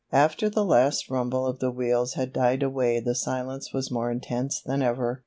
After the last rumble of the wheels had died away the silence was more intense than ever.